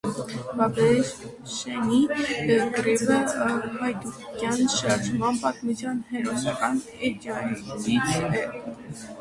Բաբշենի կռիվը հայդուկային շարժման պատմության հերոսական էջերից է։